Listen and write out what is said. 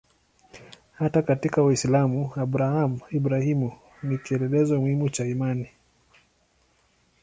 Hata katika Uislamu Abrahamu-Ibrahimu ni kielelezo muhimu cha imani.